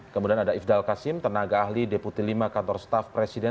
kemudian ada ifdal kasim tenaga ahli deputi lima kantor staff presiden